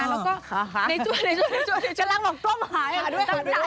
ในช่วงนี้กำลังบอกต้องหาด้วย